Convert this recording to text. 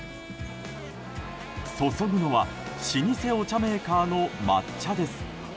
注ぐのは老舗お茶メーカーの抹茶です。